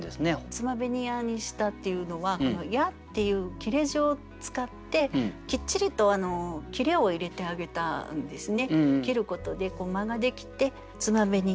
「つまべにや」にしたっていうのは「や」っていう切れ字を使ってきっちりと切れを入れてあげたんですね。